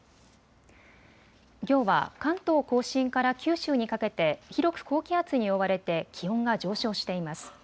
きょうは関東甲信から九州にかけて広く高気圧に覆われて気温が上昇しています。